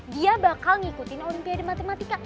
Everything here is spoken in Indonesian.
dia bakal ngikutin olimpiade matematika